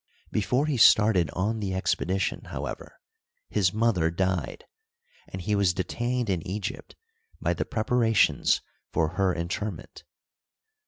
Before he started on the expedition, however, his mother died, and he was detained in Egypt by the preparations for her interment.